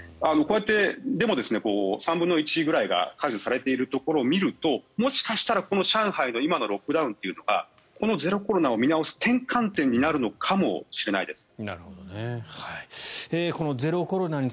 でも、３分の１ぐらいが解除されているところを見るともしかしたら、この上海の今のロックダウンというのがこのゼロコロナを見直す転換点になるのかもしれないです。